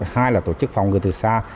hai là tổ chức phòng người từ xa